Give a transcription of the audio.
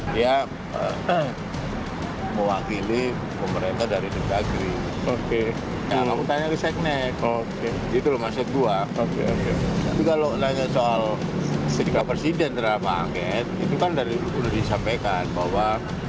soal sedika presiden terhadap angket itu kan sudah disampaikan bahwa